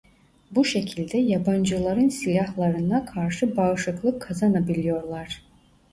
Bu şekilde yabancıların silahlarına karşı bağışıklık kazanabiliyorlar.